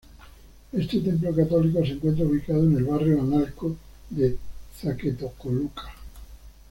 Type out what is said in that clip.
Este templo católico se encuentra ubicado en el barrio Analco de Zacatecoluca.